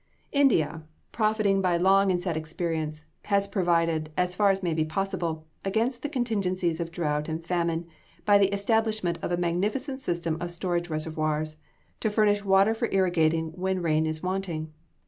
India, profiting by long and sad experience, has provided, as far as may be possible, against the contingencies of drought and famine, by the establishment of a magnificent system of storage reservoirs, to furnish water for irrigating when rain is wanting.